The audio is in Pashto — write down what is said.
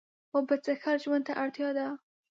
اوبه څښل ژوند ته اړتیا ده